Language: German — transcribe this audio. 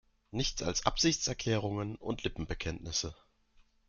Nichts als Absichtserklärungen und Lippenbekenntnisse.